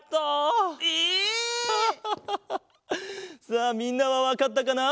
さあみんなはわかったかな？